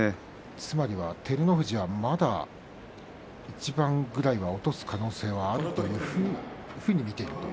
つまり照ノ富士はまだ一番くらい落とす可能性があると見ていると。